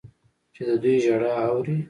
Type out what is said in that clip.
چې د دوی ژړا اوري.